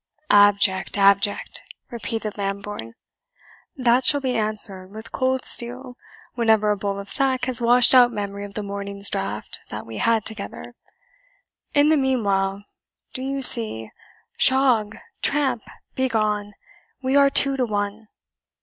"Abject! abject!" repeated Lambourne; "that shall be answered with cold steel whenever a bowl of sack has washed out memory of the morning's draught that we had together. In the meanwhile, do you see, shog tramp begone we are two to one."